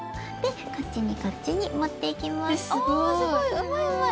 うまいうまい！